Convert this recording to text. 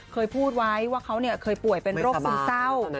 เคยพูดไว้ว่าเขาเคยป่วยเป็นโรคซึมเศร้า